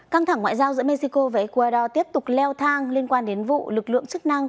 căng thẳng ngoại giao giữa mexico và ecuador tiếp tục leo thang liên quan đến vụ lực lượng chức năng